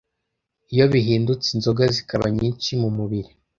iyo bihindutse inzoga zikaba nyinshi mu mubiri